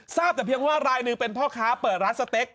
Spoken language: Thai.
ทราบแต่เพียงว่ารายหนึ่งเป็นพ่อค้าเปิดร้านสเต็ก